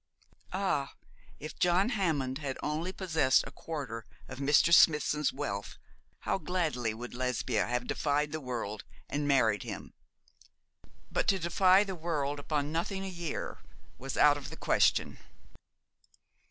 Ah, if John Hammond had only possessed a quarter of Mr. Smithson's wealth how gladly would Lesbia have defied the world and married him. But to defy the world upon nothing a year was out of the question.